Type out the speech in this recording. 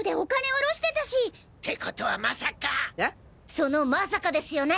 そのまさかですよね！